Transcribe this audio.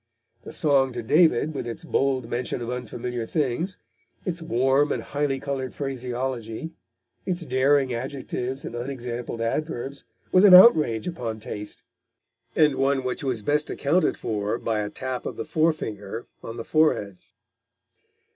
The Song to David, with its bold mention of unfamiliar things, its warm and highly coloured phraseology, its daring adjectives and unexampled adverbs, was an outrage upon taste, and one which was best accounted for by the tap of the forefinger on the forehead.